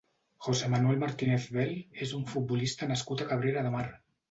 José Manuel Martínez Bel és un futbolista nascut a Cabrera de Mar.